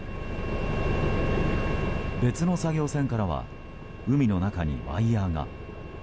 別の作業船からは海の中にワイヤが。